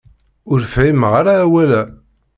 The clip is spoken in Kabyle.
Ur fhimeɣ ara awal-a.